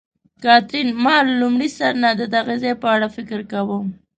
کاترین: ما له لومړي سر نه د دغه ځای په اړه فکر کاوه.